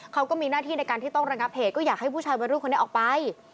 เขาก็มีหน้าที่ในการที่ต้องระงับเหตุก็อยากให้ผู้ชายวัยรุ่นคนนี้ออกไป